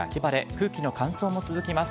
空気の乾燥も続きます。